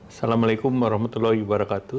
assalamu'alaikum warahmatullahi wabarakatuh